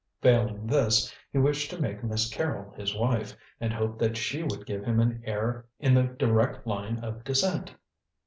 Failing this, he wished to make Miss Carrol his wife, and hoped that she would give him an heir in the direct line of descent.